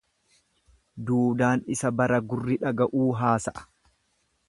Duudaan isa bara gurri dhaga'uu haasa'a.